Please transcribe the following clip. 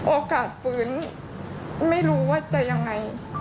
โอกาสฟื้นไม่รู้ว่าจะยังไง